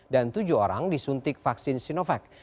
dan tujuh orang disuntik vaksin sinovac